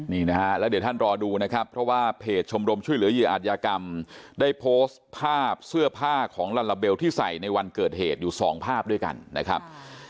นี่นะฮะแล้วเดี๋ยวท่านรอดูนะครับเพราะว่าเพจชมรมช่วยเหลือเหยื่ออาจยากรรมได้โพสต์ภาพเสื้อผ้าของลัลลาเบลที่ใส่ในวันเกิดเหตุอยู่สองภาพด้วยกันนะครับ